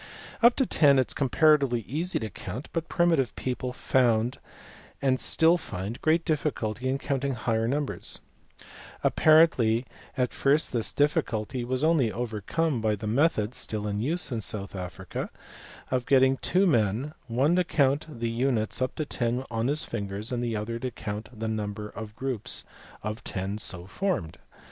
Up to ten it is comparatively easy to count, but primitive people found and still find great difficulty in counting higher numbers; apparently at first this dilficulty was only overcome by the method (still in use in South Africa) of getting two men, one to count the units up to ten on his fingers, and the other to count the number of groups of ten so formed.